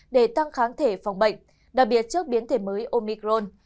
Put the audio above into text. để tăng kháng thể phòng bệnh đặc biệt trước biến thể mới omicron